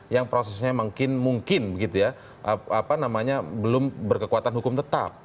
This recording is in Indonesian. yang prosesnya mungkin belum berkekuatan hukum tetap